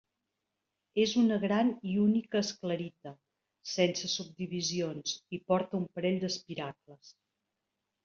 És una gran i única esclerita, sense subdivisions i porta un parell d'espiracles.